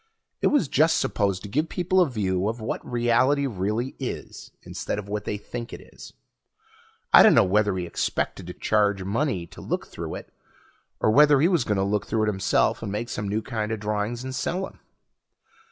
It was just supposed to give people a view of what reality really is, instead of what they think it is. I dunno whether he expected to charge money to look through it, or whether he was gonna look through it himself and make some new kinda drawings and sell 'em.